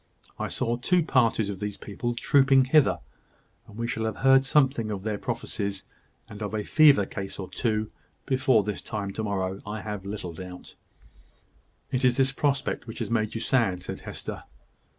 I saw two parties of these people trooping hither; and we shall have heard something of their prophecies, and of a fever case or two, before this time to morrow, I have little doubt." "It is this prospect which has made you sad," said Hester.